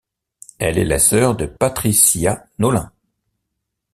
Elle est la sœur de Patricia Nolin.